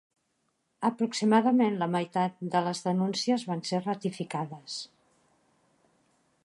Aproximadament la meitat de les denúncies van ser ratificades.